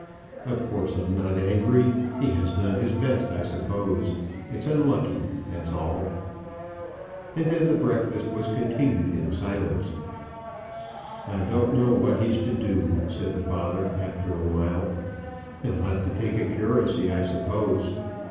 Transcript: Of course, I'm not angry. He has done his best, I suppose. It's unlucky, that's all." And then the breakfast was continued in silence. "I don't know what he's to do," said the father, after awhile; "he'll have to take a curacy, I suppose."